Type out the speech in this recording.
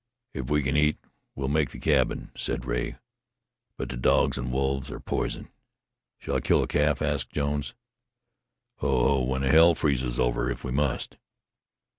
"If we can eat, we'll make the cabin," said Rea. "But the dogs an' wolves are poison." "Shall I kill a calf?" asked Jones. "Ho! Ho! when hell freezes over if we must!"